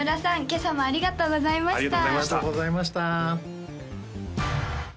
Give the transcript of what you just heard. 今朝もありがとうございました